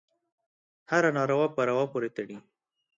هره ناروا په روا پورې تړي.